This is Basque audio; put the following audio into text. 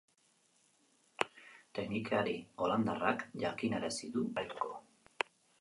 Teknikari holandarrak jakinarazi du ez duela entrenatzen jarraituko.